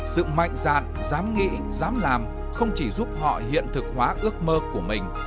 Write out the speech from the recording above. sự mạnh dạn dám nghĩ dám làm không chỉ giúp họ hiện thực hóa ước mơ của mình